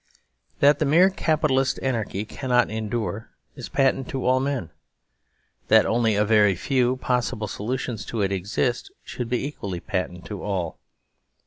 That the mere Capitalist anarchy cannot endure is patent to all men. That only a very few possible solutions to it exist should be equally patent to all.